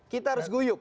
kita harus guyup